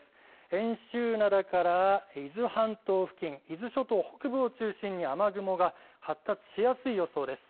遠州灘から伊豆半島付近伊豆諸島北部を中心に雨雲が発達しやすい予想です。